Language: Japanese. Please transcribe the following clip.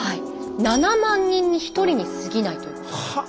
７万人に１人にすぎないということです。